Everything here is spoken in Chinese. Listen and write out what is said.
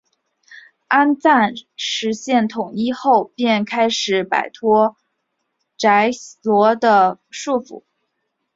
安赞实现统一后便开始摆脱暹罗的束缚。